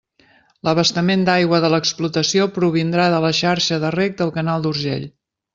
L'abastament d'aigua de l'explotació provindrà de la xarxa de reg del canal d'Urgell.